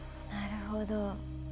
なるほど。